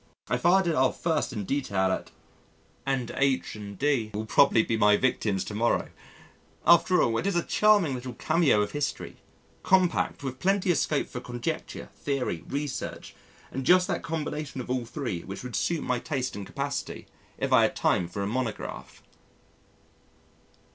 I fired it off first in detail at ; and H and D will probably be my victims to morrow. After all, it is a charming little cameo of history: compact, with plenty of scope for conjecture, theory, research, and just that combination of all three which would suit my taste and capacity if I had time for a Monograph.